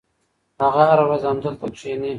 هغه هره ورځ همدلته کښېني.